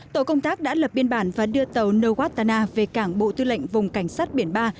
tổ công tác đã lập biên bản và đưa tàu noguatana về cảng bộ tư lệnh vùng cảnh sát biển ba